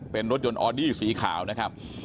เป็นรถยนต์ออดี้สีขาวนะครับ